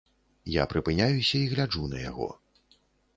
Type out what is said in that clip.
Я прыпыняюся і гляджу на яго.